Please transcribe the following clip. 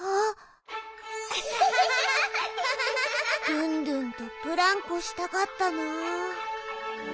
ルンルンとブランコしたかったなあ。